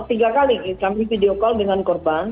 tiga kali kami video call dengan korban